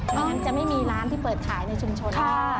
ไม่งั้นจะไม่มีร้านที่เปิดขายในชุมชน